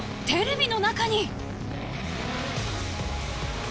テレビの中に！